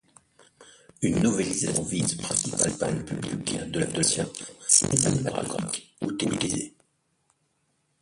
Une novélisation vise principalement le public de la version cinématographique ou télévisée.